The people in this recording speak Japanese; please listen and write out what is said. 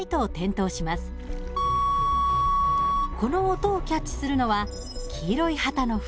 この音をキャッチするのは黄色い旗の船。